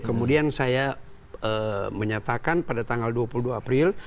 kemudian saya menyatakan pada tanggal dua puluh dua april